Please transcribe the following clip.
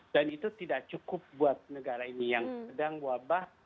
dan itu tidak cukup buat negara ini yang sedang wabah